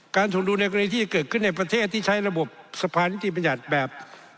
การถูกดูลำหน้าในกรณีที่เกิดขึ้นในประเทศที่ใช้ระบบสภานิตยีประหยัดแบบ